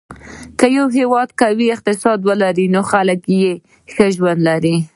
که یو هېواد قوي اقتصاد ولري، نو خلک یې ښه ژوند لري.